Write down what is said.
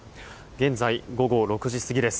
現在、午後６時過ぎです。